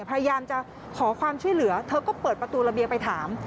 พยายามจะขอความช่วยเหลือเธอก็เปิดประตูระเบียงไปถาม